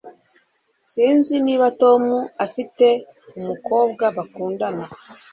Sinzi niba Tom afite umukobwa bakundana.